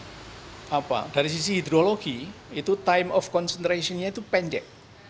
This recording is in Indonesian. karena kota bandung dengan bandung utara itu dari sisi hidrologi itu time of concentrationnya itu pendek